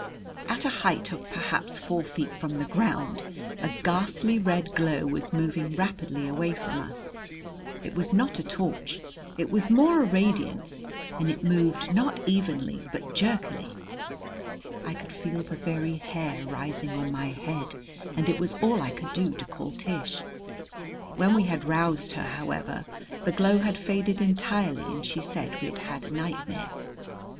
At a height of perhaps four feet from the ground a ghastly red glow was moving rapidly away from us. It was not a torch; it was more a radiance, and it moved not evenly, but jerkily. I could feel the very hair rising on my head and it was all I could do to call Tish. When we had roused her, however, the glow had faded entirely and she said we had had a nightmare.